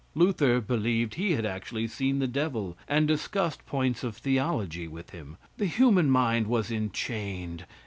Luther believed he had actually seen the devil and discussed points of theology with him. The human mind was enchained.